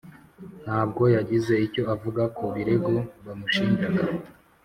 ntabwo yagize icyo avuga ku birego bamushinjaga